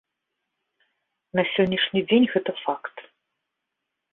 На сённяшні дзень гэта факт.